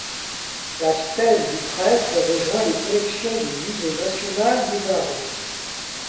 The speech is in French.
La stèle du prêtre rejoint les collections du musée national du Bardo.